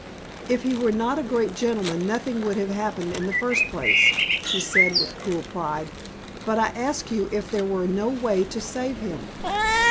"If he were not a great gentleman nothing would have happened in the first place," she said with cool pride. "But I asked you if there were no way to save him."